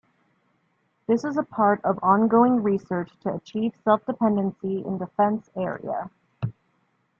This is a part of ongoing research to achieve self-dependency in defense area.